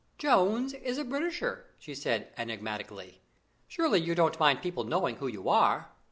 "Jones is a Britisher!" she said enigmatically. "Surely you don't mind people knowing who you are?"